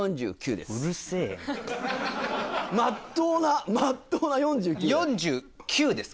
まっとうなまっとうな４９です。